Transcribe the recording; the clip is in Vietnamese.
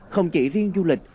không chỉ riêng du lịch